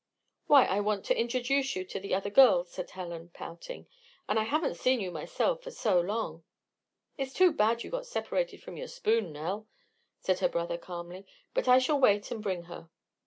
"Why, I want to introduce you to the other girls," said Helen, pouting. "And I haven't seen you myself for so long." "It's too bad you got separated from your spoon, Nell," said her brother, calmly. "But I shall wait and bring her."